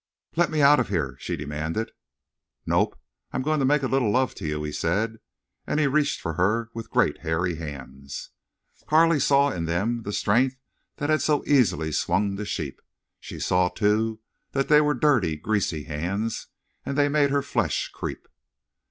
"Let me out of here," she demanded. "Nope. I'm a goin' to make a little love to you," he said, and he reached for her with great hairy hands. Carley saw in them the strength that had so easily swung the sheep. She saw, too, that they were dirty, greasy hands. And they made her flesh creep.